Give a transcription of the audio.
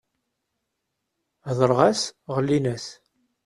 Heddreɣ-as ɣellin-as.